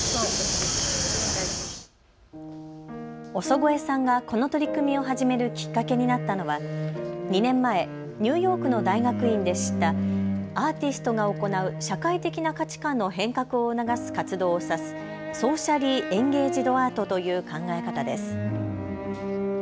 尾曽越さんがこの取り組みを始めるきっかけになったのは２年前、ニューヨークの大学院で知ったアーティストが行う社会的な価値観の変革を促す活動を指すソーシャリー・エンゲージド・アートという考え方です。